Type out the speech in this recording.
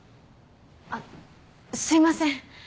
あっすいません。